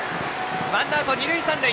ワンアウト、二塁三塁。